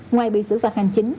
ngoài bị xử phạt hành chính